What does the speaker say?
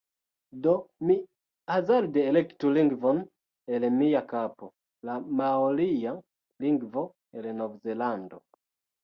Do, mi hazarde elektu lingvon el mia kapo... la maoria lingvo el Novzelando